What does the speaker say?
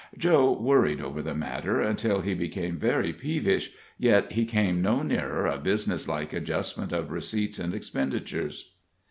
Joe worried over the matter until he became very peevish, yet he came no nearer a business like adjustment of receipts and expenditures.